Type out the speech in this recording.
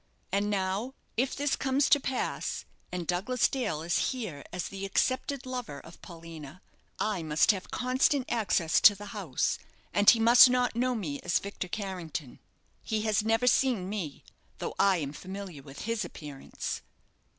And now if this comes to pass, and Douglas Dale is here as the accepted lover of Paulina, I must have constant access to the house, and he must not know me as Victor Carrington. He has never seen me, though I am familiar with his appearance."